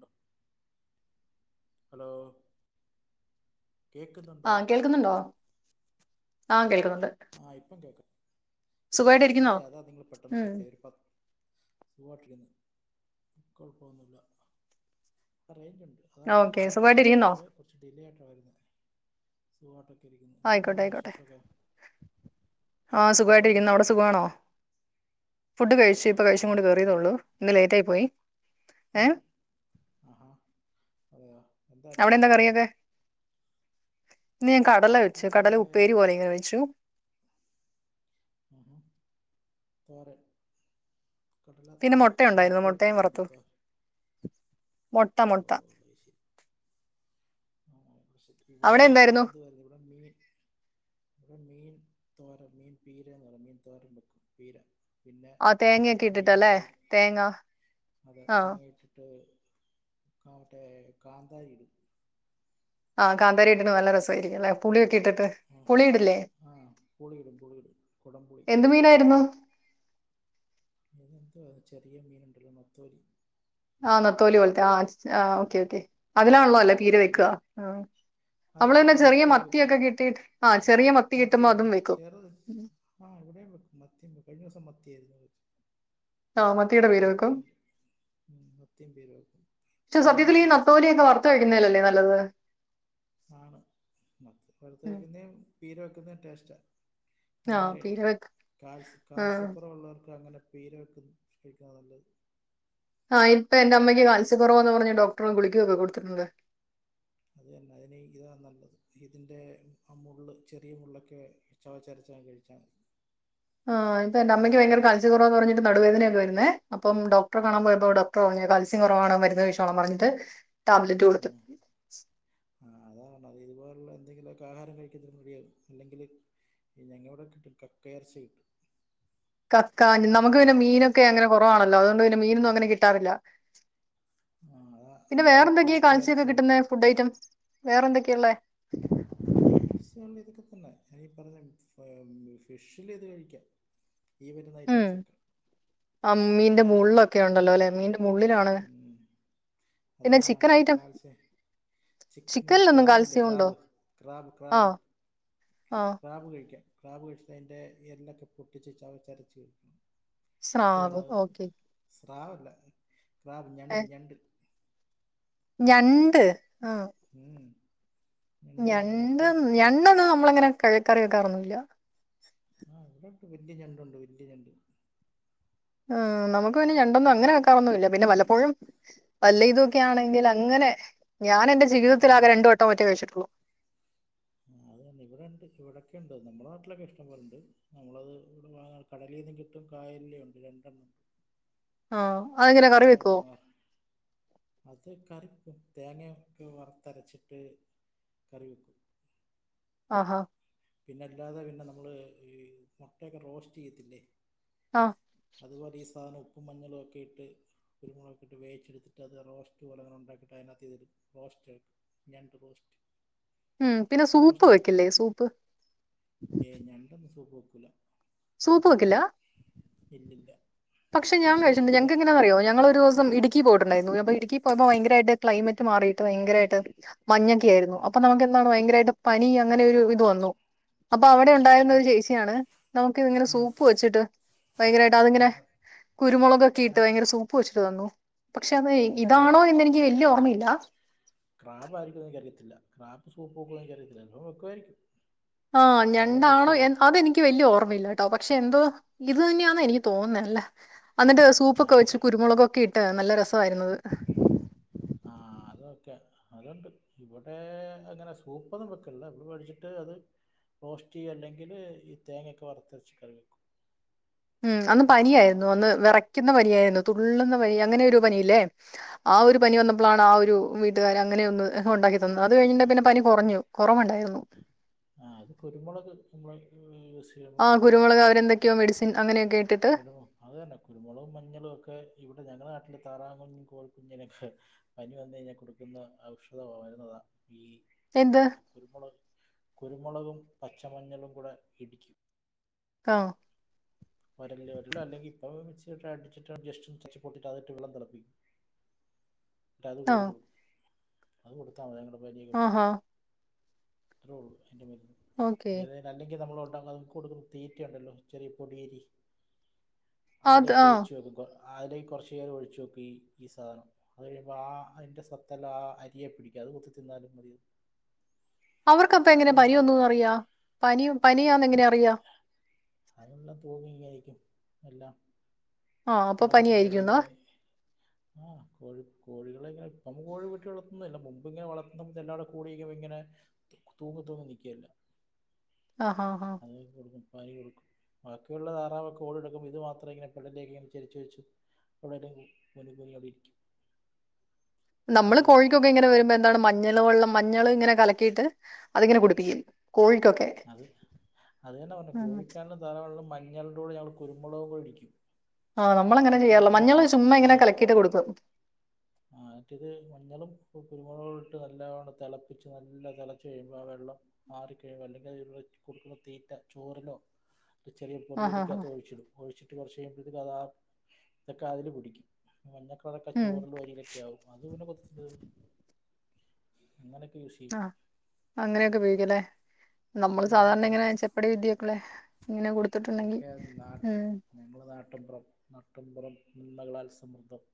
ബം ഹലോ കേൾക്കുന്നുണ്ടോ ആ കേൾക്കുന്നുണ്ടോ ആ കേൾക്കുന്നുണ്ട് ആ ഇപ്പം കേൾക്കാം ഇത് കുറച്ച് സുഖമായിട്ടിരിക്കുന്നോ ഡിലേ അതാ നിങ്ങൾ പെട്ടെന്ന് ഉം കട്ട ചെയ്യ് ഒരു പത്ത് സുഖമായിട്ടിരിക്കുന്നു കുഴപ്പൊന്നുല്ല അ റേഞ്ച്ണ്ട് അതാണ് ഓക്കെ റേഞ്ചൊക്കെ ഉണ്ട് സുഖമായിട്ടിരിക്കുന്നോ പക്ഷേ കുറച്ച് ഡിലേ ആയിട്ടാണ് വരുന്നത് സുഖമായിട്ടൊക്കെ ഇരിക്കുന്നു എന്തുണ്ട് ആയിക്കോട്ടെ പെണ്ണെ വിശേഷമൊക്കെ ആ സുഖമായിട്ട് ഫുഡൊക്കെ ഇരിക്കുന്ന കഴിച്ചോ അവിടെ സുഖമാണോ ഫുഡ് കഴിച്ചു ഇപ്പൊ കഴിച്ചും കൊണ്ട് സുഖമായിട്ടിരിക്കുന്നു കയറിയതോള്ളൂ ഇന്ന് ലൈറ്റ് ആയി പോയി മം ഏഹ് ആഹാ അതെയോ എന്തായിരുന്നു അവിടെ എന്താ സ്പെഷ്യലൊക്കെ കറിയൊക്കെ ഇന്ന് ഞാൻ കടല വെച്ചു കടല ഇവിടെ ഉപ്പേരി പോലെ എങ്ങനെ വെിച്ചു ഉഹും തോരൻ കടല മെഴക്കുരട്ടീ എന്തത്ത മോട്ടാ മോട്ടാ അ ശരി ആ ശ ഇവിടെ അവിടെ എന്തായിരുന്നു എന്ത് വായിരുന്നു ഇവിടെ മീൻ ഇവിടെ മീൻ തോര മീൻ പീരന്ന് പറയും മീൻ തോരം വെക്കും പീര പിന്നെ ആഹ് തേങ്ങയൊക്കെ മീൻ ഇട്ടിട്ടല്ലേ ഫ്രൈ തേങ്ങ അതെ ആഹ് തേങ്ങ ഇട്ടിട്ട് ആട്ട കാന്താരി ഇടും ആ കാന്താരി ഇട്നണ നല്ല രസമായിയിരിക്കും അല്ലേ പുളിയൊക്കെ ഇട്ടിട്ട് ആ പുളി ഇടില്ലേ ആ പുളി ഇടും പുളി ഇടും കൊടംപൊളി എന്ത് മീനായിരുന്നു ഇതന്തോ അത് ചെറിയ മീന്ണ്ടല്ലോ നത്തോലി ആഹ് നത്തോലി പോലത്തെ ആ ആ ഒക്കെ, ഒക്കെ അതിനാ നല്ലോ പീരെ വെയ് ക്ക അതിൽ അവളന്നെ വെക്കും ചെറിയ മത്തിയിൽ മത്തിയൊ വെക്കും ക്കെ കിട്ടിട്ട് ആ ചെറിയ മത്തി കിട്ടുമ്പോ അതും വെക്കും ആ ഇവിടെവെക്കും മത്തി കഴിഞ്ഞ ഉസം മത്തി യ് ര് ന്നൊ ചോയിച്ചും ആ മത്തിയുടെ പീര മത്തി വെക്കും ഇണ്ട് മത്തിന്തെങ്കിലും വെക്കും ഏ തൊലിയൊക്കെ വറുത്ത് വെക്കുന്നത് ന്നതല്ലേ നല്ലത് ആണ് മത്തി വെക്കുന്നേ പീര വെക്കുന്ന ടേസ്റ്റാ ആ അങ്ങനെ പീര കഴിക്കാം വെക്ക് കാൽസ്യ ആ കാൽസ്യക്കുറവള്ളവർക്ക് അങ്ങനെ പീര വെക്കും കഴിക്കാ നല്ലത് ആഹ ഇപ്പ എന്റെ അമ്മക്ക് കാൽസ്യ കുറവാന്ന് പറഞ്ഞ് ഡോക്ടറ് ഗുളിക ഒക്കെ കൊടുത്തിട്ടുണ്ട് അത് തന്നെ അതിന് ഇതാ നല്ലത് ഇതിൻ്റെ ആ മുള്ള് ചെറിയ മുള്ളൊക്കെ ചവച്ചരചാണ്ട് കഴിച്ച മതി ആ ഇത് തന്നെ അമ്മക്ക് ഭയങ്കര ഇതുകളെ കാഴ്ച കു പറഞ്ഞിട്ട് നടു വേദയൊക്ക വെരുന്നേ അപ്പം ഡോക്ടറെ കാണാം പോയപ്പ ഡോക്ടർ പറഞ്ഞ് കാത്സ്യം കോറവാണ് മരുന്ന് കഴിച്ചോളാം പറഞ്ഞിട്ട് ടാബ്ലറ്റ് കൊടുത്തു ഉം ആ അത് വാണ്ട ഇതുപോൽള്ള എന്തെങ്കിലോക്ക ആഹാരം കഴിക്കര്ത് മതിയോ ഇല്ലെങ്കില് ഇല്ലങ്കി ഇവടോര് ക ക കക്ക എർച്ചി [inaudible] കക്കാ നമുക്ക് പിന്നെ മീനൊക്കെ അങ്ങനെ കോറവാണല്ലോ അതുകൊണ്ട് പിന്നെ മീനൊന്നും അങ്ങനെ കിട്ടാറില്ല ആ അതാ പിന്നെ വേറെ ഇവിടെ എന്തേക്കെ കാൽസ്യൊക്ക കക്കയിറച്ചി കിട്ടുന്നെ ഫുഡ് ഐറ്റംസ് വേറെ എന്തേക്കെള്ളേ കാൽസ്യ ഇള്ള ഇതൊക്കെ തന്നെ ഈപറഞ്ഞ ഫിശ്ശില് ഇത് കഴിക്ക ഈ വിരുന്ന ഐറ്റംസ് ഒക്ക അ മ്മീന്റെ മുള്ളൊക്കെ ഉണ്ടല്ലോ ലെ മീന്റെ മുള്ളിലാ ഉം അതാണ് [unintelligible] ഐറ്റം കാൽസ്യേ ടിക്കൻ നൂടി ചിക്കനിലൊന്നും ക്രാബില്ലെ, കാൽസ്യം ഉണ്ടോ ക്രാബ് ക്രാവ്, ആ ക്രാവ് ആ ക്രാബ് കഴിക്കാ ക്രാബ് കഴിച്ച്ട്ട് അയിന്റെ എല്ലൊക്കെ പൊട്ടിച്ച് ചവചരച്ച് ട്ട് വേണ സ്രാവ് അത് ഓക്കെ സ്രാവല്ല ക്രാബ് ഏ ഞണ്ട് ഞണ്ട് ഞണ്ട് ആ ഉം ഞണ്ട് ഞണ്ട് ഒന്നും നമ്മളങ്ങനെ കഴി കറി വെക്കാറൊന്നുല്ല ആ ഇവടെ ഉണ്ട് വല്ല്യ ഞണ്ട് ഉണ്ട് വല്ല്യ ഞണ്ട് ആ നമുക്ക് പിന്നെ ഞണ്ടൊന്നും അങ്ങനെ കാക്കാറൊന്നുല്ല പിന്നെ വല്ലപ്പോഴും അല്ല ഇതൊക്കെ ആണെങ്കില് അങ്ങനെ ഞാന എന്റെ ആ ജീവിതത്തിലാകെ രണ്ട് വട്ടോ മാറ്റേ കഴിച്ചിട്ടുള്ളൂ ആ അതു തന്നെ ഇവട ഇണ്ട് ഇവടെക്കെ ഇണ്ട് നമ്മടെ നാട്ടിലൊക്കെ ഇഷ്ടം പൊലണ്ട് നമ്മള അത് ഇവടെ വാങ്ങ കടലീന്നും കിട്ടും കായൽല് ഉണ്ട് രണ്ടെണ്ണം. ആ അതെങ്ങ രണ്ട് മാ അത് കറി ക്കു തേങ്ങെക്കെ വറത്തരച്ചിട്ട് കറി വെക്കും ആഹാ പിന്ന അല്ലാതെ പിന്നെ നമ്മള് ഈ മുട്ടയൊക്ക റോസ്റ്റ് ചെയ്യത്തില്ലേ ആ അതുപോലെ ഈ സാനം ഉപ്പും മഞ്ഞളു ഒക്കെ ഇട്ട് കുരുമുളക് ഇട്ട് വേവിച്ചെടുത്തിട്ട് അത് റോസ്റ്റ് പോലെ ഉണ്ടാക്കിയിട്ട് അയിനകത്ത് ഇതൊരു റോസ്റ്റ് അയിക്കും ഞണ്ട് റോസ്റ്റ് ഉം പിന്നെ സൂപ്പ് റോസ്റ്റായി വെക്കില്ലേ കഴിക്ക് സൂപ്പ് ഏയ് ഞണ്ടൊന്നു സൂപ്പ് വെക്കൂല സൂപ്പ് വെക്കില്ല ഇല്ലില്ല പക്ഷേ ഞാൻ കഴിച്ച്ണ്ട് ഞങ്ങക്ക് എങ്ങനെന്നറിയോ ഞങ്ങള് ഒരൂസം ഇട് ക്കി പോയിട്ടുണ്ടായിരുന്നു അപ്പോ ഇടുക്കി പോയപ്പോ ഭയങ്കരായിട്ട് ക്ലൈമറ്റ് മാറിയിട്ട് ഭയരായിട്ട് മഞ്ഞൊക്കെ ആയിരുന്നു ഉം. അപ്പൊ നമുക്ക് ഭയങ്കരായിട്ട് പനി അങ്ങനെ ഒരു ഇത് വന്നു അപ്പൊ അവടെ ഇത്, ഉണ്ടായിരുന്നൊരു ചേച്ചിയാണ് നമുക്ക് ഇങ്ങനെ ഉം. സൂപ്പ് വെച്ചിട്ട് ഭയങ്കരവായിട്ട് അത്ങ്ങനെ അത് കുരുമുളകൊക്കെ ഇട്ട് അത് ഭയങ്കര സൂപ്പ് വെച്ചിട്ട് തന്നു പക്ഷെ അത് അതൊക്കെ ഇതാണോ എന്ന് എനിക്ക് വലിയ ഓർമയില്ല ക്രാബായിരിക്കുവെന്ന് എനിക്ക് അറിയത്തില്ല ക്രാബ് സൂപ്പ് വെക്കോ എനിക്കറിയത്തില്ല വെക്കുവായിരിക്കും ആ ഞണ്ടാണോ എൻ അതെനി ക്ക് വല്ല്യ ഓർമയില്ല കേട്ടോ പക്ഷെ എന്തോ ഇത് തന്നെയാന്ന് എനിക്ക് തോന്നുന്ന അല്ല അന്നിട്ട് സൂപ്പൊക്കെ വെച്ച് ആയിരിക്കാം കുരുമുളകൊക്കെ ഇട്ട് നല്ല രസവായിരുന്ന് അത് ആഹ് അത് ഓക്കേയാ അതൊണ്ട് ഇവിടെ അങ്ങനെ സൂപ്പൊന്നും വെക്കില്ല ഇവിടെ മേടിച്ചിട്ട് അത് റോസ്റ്റ് ചെയ്യ അല്ലെങ്കിൽ ഈ തേങ്ങൊക്കെ വറുതരച്ച് കറി വെക്കും ഉം അന്ന് അങ്ങനെ പനിയായിരുന്നു അന്ന് വിറയ്ക്കുന്ന പനിയായിരുന്നു തുള്ളുന്ന പനി അങ്ങനെ ഒരു പനിയില്ലേ ആ ഒരു പനി ഉം. വന്നപ്പോളാണ് ആ ഒരു വീട്ടുകാര് അങ്ങനെയൊന്ന് ഉണ്ടാക്കി തന്നത് അത് ആ കഴിഞ്ഞിട്ട് പിന്നെ പനി കുറഞ്ഞു. കുറവുണ്ടായിരുന്നു ആഹ് അത് കുരുമുളക് [unintelligible] ആഹ് മാറും കുരുമുളക് അവരെന്തൊക്കെയോ മെഡിസിൻ അങ്ങനെയൊക്കെ ഇട്ടിട്ട് ഓ അത് തന്നെ കുരുമുളകും മഞ്ഞളും ഒക്കെ ഇവിടെ ഞങ്ങടെ നാട്ടില് താറാകുഞ്ഞും കോഴിക്കുഞ്ഞിനൊക്കെ പനി വന്ന് കഴിഞ്ഞാൽ കൊടുക്കുന്ന ഔഷധ മരുന്ന് അതാ ഈ എന്ത് ഉം കുരുമുളക് കുരുമുളകും പച്ചമഞ്ഞളും കൂടെ ഇടിക്കും ആഹ് [unintelligible] അതിട്ടു വെള്ളം തിളപ്പിക്കും എന്നിട്ട് അത് ആ കോരി കൊടുക്കും അത് കൊടുത്താൽ മതി [unintelligible] പനിയൊക്കെ പോകും ആഹാ അത്രേയുള്ളൂ അതിന്റെ മരുന്ന് ഓക്കെ ഏത് അല്ലെങ്കിൽ നമ്മള് ഉണ്ടാകുന്ന അതിക്ക് കൊടുക്കുന്ന തീറ്റി ഉണ്ടല്ലോ ചെറിയ പൊടിയരി അത് അതിലേക്ക് ആ ഒഴിച്ചു വെക്കും അതിലേക്ക് കുറച്ച്നേരം ഒഴിച്ചു വെക്കും ഈ ഈ സാധനം അത് കഴിയുമ്പോൾ ആഹ് അതിന്റെ സത്തെല്ലാം ആ അരിയെ പിടിക്കും അത് കുത്തി തിന്നാലും മതിയത് അവർക്ക് അപ്പൊ എങ്ങനാ പനി വന്നൂന്ന് മാറും അറിയാ പനി പനിയാന്ന് എങ്ങനെ അറിയാ അതുള്ള തൂങ്ങിയിങ്ങനെയിരിക്കും എല്ലാം ആ അപ്പൊ നടക്കതൊന്നുമില്ല പനിയായിരിക്കുന്നാ ഇങ്ങനെ ആഹ് കോഴി കോഴികളെ ഇപ്പ നമ്മ കോഴിയെ വീട്ടി വളർത്തുന്നില്ല മുമ്പ് ഇങ്ങന വളർത്തുമ്പം എല്ലാ കൂടി നിക്കുമ്പോ ഇങ്ങനെ തൂങ്ങി തൂങ്ങി നിക്കും എല്ലാം ആഹ് ആഹ് ആഹ് അത് കൊടുക്കും [unintelligible] കൊടുക്കും ബാക്കിയുള്ള താറാവൊക്കെ ഓടി നടക്കുമ്പോ ഇത് മാത്രം ഇങ്ങനെ പെഡലിയൊക്കെ ഇങ്ങനെ ചരിച്ച് വെച്ചു [unintelligible] അപ്പം നമ്മള് അറിയാൻ പറ്റും കോഴിക്കൊക്കെ ഇങ്ങനെ വരുമ്പോ എന്താണ് മഞ്ഞൾ വെള്ളം മഞ്ഞൾ ഇങ്ങനെ കലക്കിയിട്ട് അതിങ്ങനെ കുടുപ്പികും കോഴിക്കൊക്കെ അത് അത് തന്നെ പറഞ്ഞെ ഉം കോഴിക്കാണെങ്കിലും താറാവിനാണെങ്കിലും മഞ്ഞളിന്റെ കൂടെ ഞങ്ങൾ കുരുമുളകും കൂടെ ഇടിക്കും. ആഹ് നമ്മളങ്ങനെ ഇട്ടത് ചെയ്യാറില്ല ഇത് മഞ്ഞള് ചുമ്മാ ഇങ്ങനെ കലക്കിയിട്ട് കൊടുക്കും. ആഹ് മറ്റേത് മഞ്ഞളും കുരുമുളകും ഇട്ട് നല്ലതോണം തിളപ്പിച്ച് നല്ല തിളച്ച് കഴിയുമ്പോൾ ആ വെള്ളം ആറികഴിയുമ്പോ അല്ലെങ്കിൽ അതിന് കൊടുക്കുന്ന തീറ്റ ചോറിലോ ഒരു ചെറിയ ആഹ് ആഹ് ആഹ് പൊടിയരികാത്ത് ഒഴിച്ചിടും ഒഴിച്ചിട്ട് കുറച്ച് കഴിയുമ്പോഴത്തേക്കും അത് ആ ഇതക്കെ അതില് പിടിക്കും. മഞ്ഞക്കളറൊക്കെ ഉം ചോറിൽ വാരി [unintelligible] അങ്ങനെയൊക്കെ യൂസ് ചെയ്യും ആഹ് അങ്ങനെയൊക്കെ ഉപയോഗിക്കും അല്ലെ നമ്മള് സാധാരണ പിന്നെന്താ ഇങ്ങനെ ചെപ്പടി വിദ്യയൊകെയുള്ള ഇങ്ങനെ കൊടുത്തിട്ടുണ്ടെങ്കി ഉം ഞമ്മളെ നാട്ടിൻപുറം നാട്ടിൻപുറം നന്മകളാൽ സമൃദ്ധം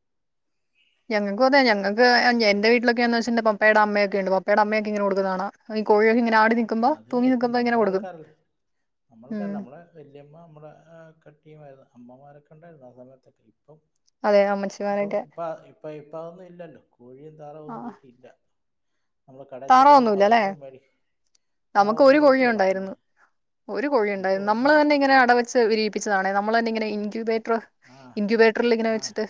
ഞങ്ങക്കും അതെ ഞങ്ങക്ക് എന്റെ വീട്ടിലൊക്കെയാന്ന് വെച്ചട്ട് പപ്പയുടെ അമ്മയൊക്കെ ഉണ്ട് പപ്പയുടെ അമ്മയൊക്കെ ഇങ്ങനെ കൊടുക്കുന്ന കാണാം അത് ഈ കോഴി ആഹ് അതന്നെ ഇപ്പ നമ്മള ആൾക്കാരല്ലേ നമ്മൾക്കല്ലാ ഉം നമ്മള് വല്യമ്മ നമ്മുടെ കട്ടിയുമായിരുന്നു അമ്മമാരൊക്കെ ഉണ്ടായിരുന്നു ആ സമയത്തൊക്കെ ഇപ്പം അതെ [unintelligible] ഇപ്പം ഇപ്പ ഇപ്പ ഇപ്പ അതൊന്നും ഇല്ലല്ലോ കോഴിയും തറാവൊന്നും ആഹ് വീട്ടിലില്ല. [unintelligible] നമ്മള് കടെചെല്ലുന്നു താറാവൊന്നുല്ലല്ലേ പറയുന്നു പണി നമുക്ക് ഒരു കോഴി ഉണ്ടായിരുന്നു. ഒരു കോഴി ഇപ്പോൾ ഉണ്ടായിരുന്നു. നമ്മള് ഒന്നുമില്ല തന്നെ ഇങ്ങനെ അടവച്ച് വിരി പ്പിച്ചതാണ നമ്മളെങ്ങനെ ഇൻക്യൂബേറ്റർ ആ ഇൻക്യൂബേറ്ററിൽ ഇങ്ങനെ വെച്ചിട്ട്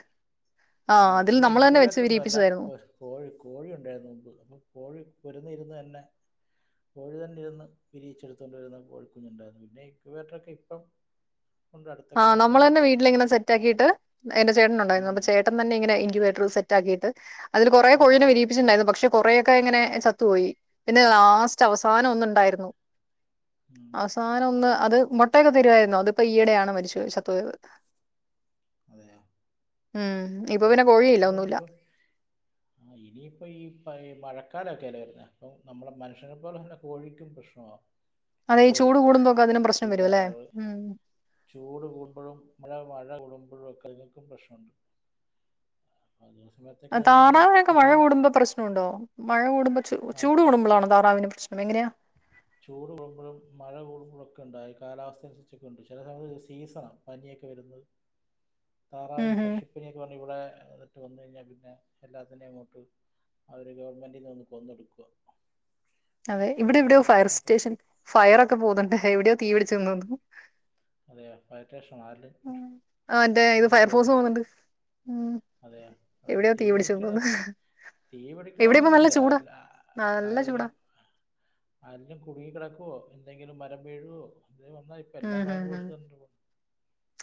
ആഹ് അതിൽ ഇവിടെ നമ്മള് ഇൻക് തന്നെ വെച്ച് വേറ്റർ ഒന്നും അല്ല വിരിയിപ്പിച്ചതായിരുന്നു. പോ കോഴി കോഴി ഉണ്ടായിരൂന്നു മുമ്പ് അപ്പോം കോഴി പോരുന്നിരുന്ന് തന്നെ കോഴി തന്നെ ഇരുന്ന് പിരിയിച്ചെടുത്തൊണ്ട വരുന്ന കോഴിക്കുഞ്ഞുണ്ടായിരുന്നു പിന്നെ ഇക്വേറ്റർ ഒക്കെ ഇപ്പം ഉണ്ട് അടുത്തൊക്കെ ആഹ് നമ്മൾ തന്നെ വീട്ടുകളിലൊക്കെ ഉണ്ട് വീട്ടിലിങ്ങനെ സെറ്റ് ആക്കിയിട്ട് എന്റെ ചേട്ടന ഉണ്ടായിരുന്നു ഉം ചേട്ടൻ ന്നെ ഇങ്ങനെ ഇൻയവേറ്റർ സെറ്റാക്കിട്ട് അതില് കുറെ ആ കൊഴിനെ അത് വിരിയിപ്പിച്ചട്ടണ്ടായിരുന്നു പക്ഷെ കൊറെക്കെ ഇങ്ങനെ ചത്തുപോയി പിന്നെ ലാസ്റ്റ് അവസാനം ഒന്ന്ണ്ടായിരുന്നു ഉം അവസാനം ഒന്ന് അത് മുട്ടയൊക്കെ തരുവായിരുന്നു അതിപ്പോ ഈയിടെയാണ് മരിച്ചത് ശത്തുപോയത് അതെ ഉും ആഹ് അറെണ്ട് ഇപ്പൊ ആ ഇനിയിപ്പോൾ ഈഈ മഴക്കാലൊക്കെല്ലേ വരുന്നത് അപ്പം നമ്മളെ മനുഷ്യനെ പോലെ തന്നെ കോഴിക്കും പ്രശ്നാവും. അതെ ഈചൂട് കൂടുമ്പോൊക്കെ അതിനും പ്രശ്നം വരുംല്ലേ? താറാവ് ഉം ചൂട് കൂടുമ്പ്പോഴും മഴ മഴകൂടുമ്പോഴും ഒക്കെ അനങ്ങൾക്കും പ്രശ്നമുണ്ട്. [unintelligible] വരും താറാവിനൊക്കെ മഴ അസുഖം കൂടുമ്പോ പ്രശ്നണ്ടോ? മഴ കൂടുമ്പോ ആ, ചൂട് കൂടുമ്പോആണോ താറാവിന്റെ പ്രശ്നം? അതെങ്ങനെ? ചൂട് കൂടുമ്പോഴും, മഴ കൂടുമ്പോഴൊക്കെ ഉണ്ടായി, കാലാവസ്ഥ അനുസരിച്ചൊക്കെ ഉണ്ട്. ചിലത് അത് സീസണാണ്. പനിയൊക്കെ വരുന്നത് [unintelligible] താറാവിനി ഉം പക്ഷിപ്പനിയൊക്കെവന്ന് ഇവിടെ ഇട്ട് വന്ന്കഴിഞ്ഞാൽ പിന്നെ എല്ലാത്തിനെം അങ്ങോട്ട് അവര് ഗവൺമെന്റി നിന്ന് വന്ന് കൊന്നോടുക്കുവാ അതെ, ഇവിടെ എവിടെയോ ഫയർ മൊത്തം സ്റ്റേഷൻ ഫയറ്ഒക്കെ പോകുന്നുണ്ട്. എവിടെയോ തീ പിടിച്ചുന്ന് തോന്നുന്നു. അതെയോ ഫയർ സ്റ്റേഷൻ ആരുടെ ആഹ് ൻ്റെ ഇത് ഫയർഫോഴ്സ് പോന്നുണ്ട് അതയെ എവിടെലും തീ പിടിച്ചെന്ന് പിടിക്കണം തോന്നുന്നു തീ പിടിക്കണം ഇവിടെ ഇപ്പ നല്ല എന്നില്ല. ചൂടാ അല്ല ആഹാ നല്ല ആരെലും ചൂടാ ആരേലും കുടുങ്ങി കിടക്കുവോ, എന്തെങ്കിലും മരം വീഴോ, എന്തെലും വന്നായിരിക്കും. ആഹ് ഹ ഹ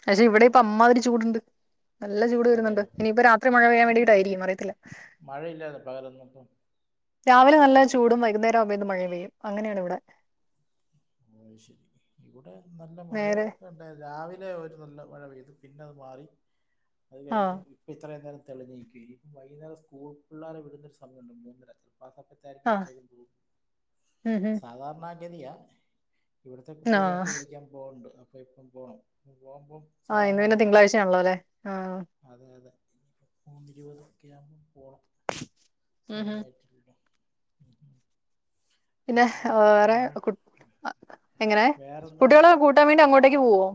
പക്ഷെ ഇവിടെ ഇപ്പം അമ്മാതിരി ചൂടുണ്ട് നല്ല ചൂട് വരുന്നുണ്ട്. അതെയോ ഇനിയിപ്പ രാത്രി മഴ പെയ്യാൻ വേണ്ടിട്ടായിരിക്കും അറിയത്തില്ല. മഴയില്ലാതെ പകലൊന്നും ഇപ്പം രാവിലെ നല്ല ചൂടും വൈകുന്നേരം ആവുബഴേക്കും മഴ പെയ്യും അങ്ങനെയാണ് ഇവിടെ ആഹ് ശെരി. ഇവിടെ നല്ല മഴക്ക നേരെ ൺ പിന്നേ രാവിലെ ഒരു നല്ല മഴ പെയ്തു. പിന്നെ അത് മാറി. അത് ആ കഴിഞ്ഞ് ഇപ്പ ഇത്രയും നേരം തെളിഞ്ഞിക്കയ്ന്നു. വൈകുന്നരം സ്കൂൾ പിള്ളേരെ വിടുന്നരു സമയുണ്ട് മൂന്നര അപ്പാ ആസമയത് നേരത് ആ വെച്ചേക്കും പോവും ഉം ഉം സാധാരണഗതിയ ഇവിടുത്തെ ആ കുട്ടികളെയൊക്കെ വിളിക്കാൻ പോകുന്നുണ്ട്. അപ്പോ ഇപ്പം പോകണം പോകുമ്പം ആഹ് സാധാരണ ഇന്ന് പിന്നെ അങ്ങനെ തിങ്കളാഴ്ച ആണല്ലോ അല്ലെ ആഹ് അതെ അതെ ഇനിപ്പോ മൂന്ന് ഇരുപതൊക്കെ ആവുമ്പോ പോണം ഉം സമയ ഉം ആയിട്ടില്ലല്ലോ പിന്നെ വേറെ ഇമാണ് കുട്ട് അഹ് എങ്ങനെ വേറെന്താ കുട്ടികളൊ കൂട്ടാൻ വേണ്ടി അങ്ങോട്ടേക്ക് പോവോ?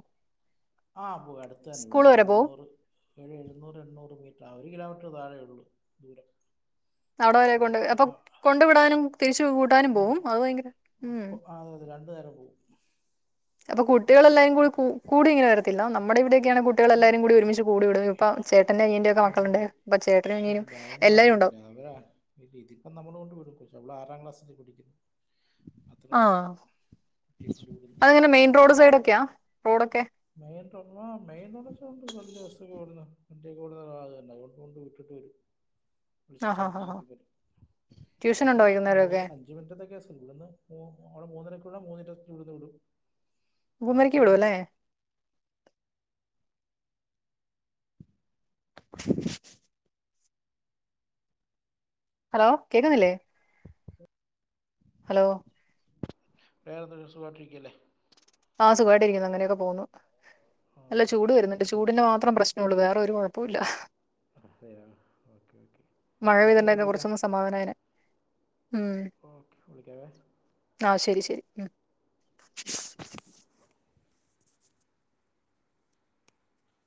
ആഹ് പോവും അടുത്ത തന്നെ സ്കൂൾ ഇവിടുന്നൊരു വരെ പോവും എഴുന്നൂറ് ഏഴ് എഴുന്നൂറ് എണ്ണൂറ് മീറ്റർ ആ ഒരു കിലോമീറ്റർ താഴെ ഉള്ളൂ ദൂരം അവിടെ വരെ സ്കൂൾ കൊണ്ട് അപ്പൊ അപ്പം കൊണ്ടു വിടാനും തിരിച്ച് കൂട്ടാനും പോവും അത് ഭയങ്കര ഉം അതെ അതെ രണ്ടു നേരം പോവും അപ്പൊ കുട്ടികളെല്ലായും കൂ ക കൂടി ഇങ്ങനെ വരത്തില്ല നമ്മുടെ ഇവിടയൊക്കെയാണെ കു കുട്ടികൾ ഏയ് എല്ലാരും കൂടി ഒരുമിച്ച് കൂടി വിടും ഇപ്പം ചേട്ടന്റെ അനിയന്റെ ഒക്കെ ഇല്ല മക്കളുണ്ട് അപ്പ ചേട്ടനും അനിയും എല്ലാരും ഇണ്ടാവും [unintelligible] ഇ ഇതിപ്പം നമ്മള് കൊണ്ട് കൊടുക്കും അവൾ ആറാം ക്ലാസ്സിൽ പടിക്കുന്നു ആഹ കുട്ടിയെ കൊണ്ട് വിടുന്നു അതിങ്ങനെ മെയിൻ റോഡ് സൈഡൊക്കെയാ റോഡൊക്കെ മെയിൻ മെയിന് ഉടച്ചൊണ്ട് വല്ല ബസ് കേറ്ന്ന് വണ്ടി ഒക്കെവിട ആ അതെന്നെ വിട്ടിട്ട് വരും [unintelligible] വിളിച്ചിട്ടണ്ട് ഹാ ഹാ ഇങ്ങോട്ട് വരും ട്യൂഷൻ ഉണ്ടോ ഇപ്പൊ ഒരു മൂന്ന് വൈകുന്നേരമൊക്കെ അഞ്ച് അമിനറ്റത്തെ കേസ്ന്ന് അവിടെ മൂന്നരക്കുള്ള മൂന്നിരൂടന്ന് വിടും അവിടെ മൂന്നരയ്ക്ക് ചെല്ലുമ്പോൾ വീടുവല്ലേ [unintelligible] ഹലോ കേക്ക്ന്നില്ലേ ഹലോ വേറെന്താ സുഖായിട്ടിരിക്കല്ലേ ആ സുഖമായിട്ട് ഇരിക്കുന്നു അങ്ങനെയൊക്കെ പോകുന്നു ആ നല്ല ഓക്കെ ചൂട് ഓക്കെ വരുന്നുണ്ട് ശരി ചൂടിന്റെ ശരി മാത്രം പ്രശ്നം നമ്മള് വേറെ ഒരു കൊഴപ്പൊല്ല ആ അതെയോ ഓക്കെ ഓക്കെ മഴ ഓക്കെ ഞാൻ പെയ്തിട്ടുണ്ടായിരുന്നു വിളിക്കാം കുറച്ചൊന്ന് സമാധാനായനെ ഓക്കെ വിളിക്കാവേ ആഹ ശരി ശരി ഉം